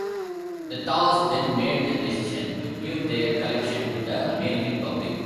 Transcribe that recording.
The Thaws then made the decision to give their collection to the American public.